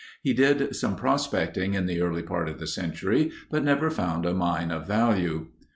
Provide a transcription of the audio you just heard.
He did some prospecting in the early part of the century, but never found a mine of value.